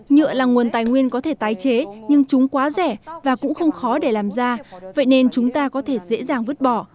nhựa là nguồn tài nguyên có thể tái chế nhưng chúng quá rẻ và cũng không khó để làm ra vậy nên chúng ta có thể dễ dàng vứt bỏ